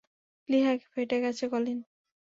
প্লীহা ফেটে গেছে, কলিন।